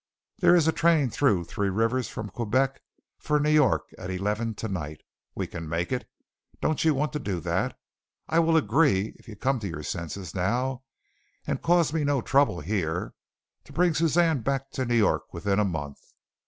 There is a train through Three Rivers from Quebec for New York at eleven tonight. We can make it. Don't you want to do that? I will agree, if you come to your senses now, and cause me no trouble here, to bring Suzanne back to New York within a month.